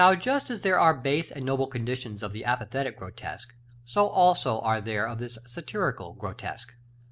§ LIV. Now, just as there are base and noble conditions of the apathetic grotesque, so also are there of this satirical grotesque.